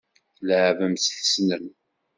Tleεεbem-tt tessnem.